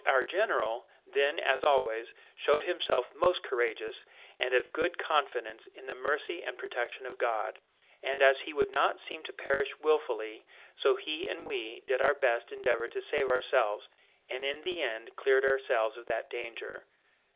"Our general, then as always, showed himself most courageous, and of good confidence in the mercy and protection of God; and as he would not seem to perish wilfully, so he and we did our best endeavour to save ourselves, and in the end cleared ourselves of that danger."